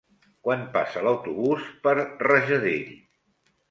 Quan passa l'autobús per Rajadell?